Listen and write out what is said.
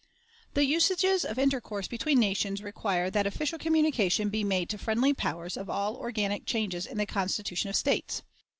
The usages of intercourse between nations require that official communication be made to friendly powers of all organic changes in the constitution of states.